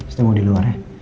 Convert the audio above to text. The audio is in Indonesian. pasti mau di luar ya